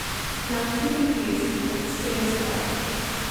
Not to be confused with Sam's Club.